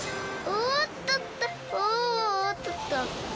おっとっと。